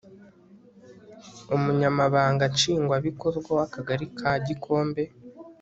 umunyamabanga nshingwabikorwa w'akagari ka gikombe